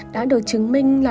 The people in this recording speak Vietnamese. đã được chứng minh là